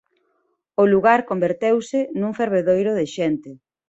O lugar converteuse nun fervedoiro de xente.